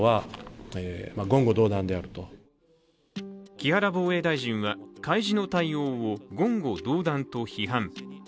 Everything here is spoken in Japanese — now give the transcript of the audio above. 木原防衛大臣は海自の対応を言語道断と批判。